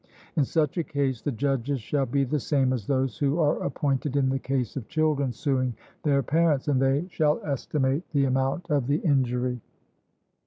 In such a case the judges shall be the same as those who are appointed in the case of children suing their parents; and they shall estimate the amount of the injury.